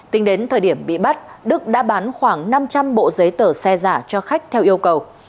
tính đến thời điểm bị bắt đức đã bán khoảng năm trăm linh bộ giấy tờ xe giả cho khách theo yêu cầu